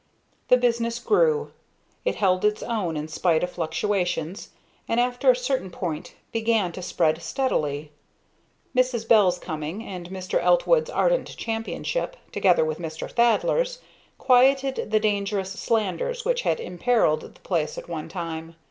The business grew. It held its own in spite of fluctuations, and after a certain point began to spread steadily. Mrs. Bell's coming and Mr. Eltwood's ardent championship, together with Mr. Thaddler's, quieted the dangerous slanders which had imperilled the place at one time.